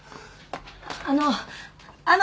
あのあの！